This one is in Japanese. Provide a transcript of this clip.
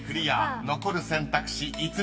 ［残る選択肢５つ。